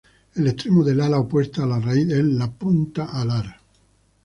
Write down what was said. El extremo del ala opuesto a la raíz es la punta alar.